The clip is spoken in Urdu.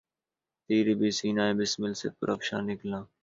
تیر بھی سینہٴ بسمل سے پر افشاں نکلا